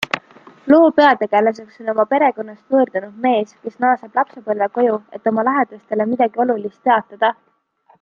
Loo peategelaseks on oma perekonnast võõrdunud mees, kes naaseb lapsepõlvekoju, et oma lähedastele midagi olulist teatada.